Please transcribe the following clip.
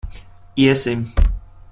Iesim.